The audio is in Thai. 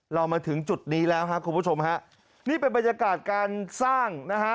เรามาถึงจุดนี้แล้วครับคุณผู้ชมฮะนี่เป็นบรรยากาศการสร้างนะฮะ